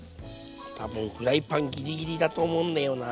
多分フライパンギリギリだと思うんだよな